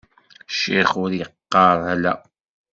Ccix ur iqqaṛ: ala.